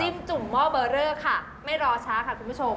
จุ่มหม้อเบอร์เรอร์ค่ะไม่รอช้าค่ะคุณผู้ชม